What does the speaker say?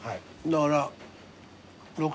だから。